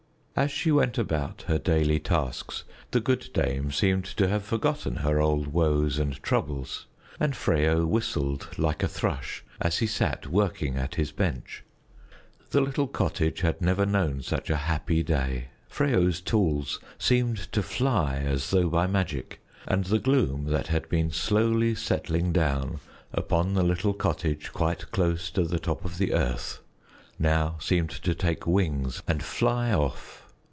As she went about her daily tasks, the good dame seemed to have forgotten her old woes and troubles and Freyo whistled like a thrush as he sat working at his bench. The little cottage had never known such a happy day. Freyo's tools seemed to fly as though by magic, and the gloom that had been slowly settling down upon the little cottage quite close to the top of the earth now seemed to take wings and fly off.